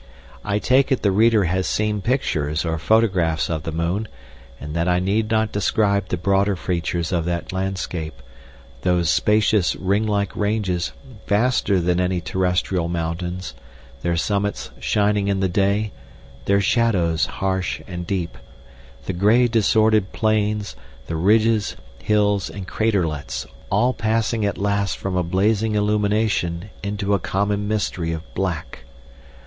I take it the reader has seen pictures or photographs of the moon and that I need not describe the broader features of that landscape, those spacious ring like ranges vaster than any terrestrial mountains, their summits shining in the day, their shadows harsh and deep, the grey disordered plains, the ridges, hills, and craterlets, all passing at last from a blazing illumination into a common mystery of black.